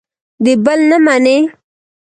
د بل نه مني.